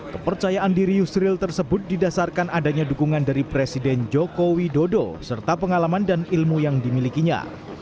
kepercayaan diri yusril tersebut didasarkan adanya dukungan dari presiden joko widodo serta pengalaman dan ilmu yang dimilikinya